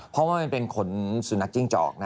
เพราะว่ามันเป็นขนสุนัขจิ้งจอกนะ